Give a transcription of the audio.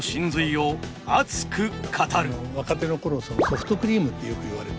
若手の頃ソフトクリームってよく言われて。